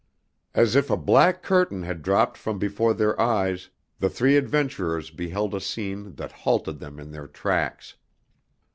As if a black curtain had dropped from before their eyes the three adventurers beheld a scene that halted them in their tracks.